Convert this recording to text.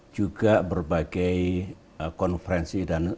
juga berbagai konferensi dan